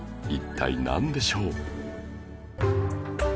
一体なんでしょう？